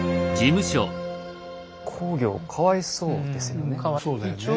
公暁かわいそうですよね。